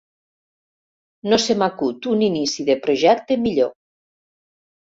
No se m'acut un inici de projecte millor.